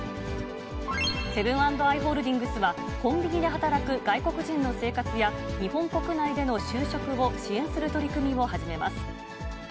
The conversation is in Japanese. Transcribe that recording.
セブン＆アイ・ホールディングスは、コンビニで働く外国人の生活や、日本国内での就職を支援する取り組みを始めます。